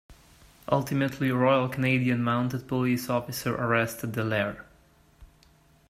Ultimately, Royal Canadian Mounted Police officers arrested Dallaire.